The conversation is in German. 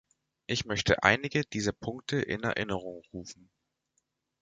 Ich möchte einige dieser Punkte in Erinnerung rufen.